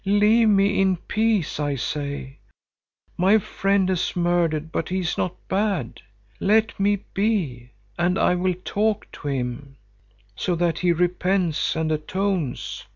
'Leave me in peace,' I say. 'My friend has murdered, but he is not bad. Let me be, and I will talk to him, so that he repents and atones.